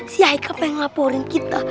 si haikal pengen ngelaporin kita